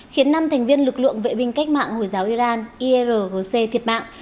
khiến năm thành viên lực lượng vệ binh cách mạng hồi giáo iran irgc thiệt mạng